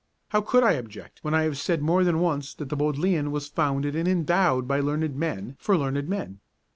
How could I object when I have said more than once that the Bodleian was founded and endowed by learned men for learned men?